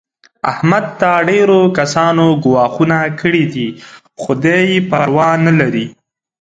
احمد ته ډېرو کسانو ګواښونه کړي دي. خو دی یې پروا نه لري.